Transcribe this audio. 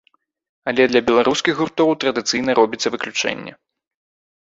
Але для беларускіх гуртоў традыцыйна робіцца выключэнне.